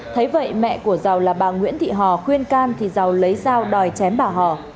thấy vậy mẹ của giàu là bà nguyễn thị hò khuyên can thì giàu lấy dao đòi chém bà hò